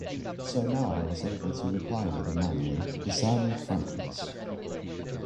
So now I was able to reply with a manly, disarming frankness.